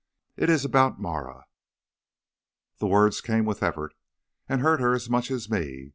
It is about Marah.' "The words came with effort, and hurt her as much as me.